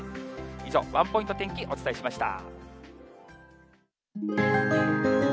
以上、ワンポイント天気、お伝えしました。